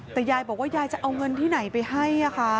แต่ยายบอกว่ายายจะเอาเงินที่ไหนไปให้